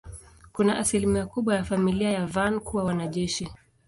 Kuna asilimia kubwa ya familia ya Van kuwa wanajeshi.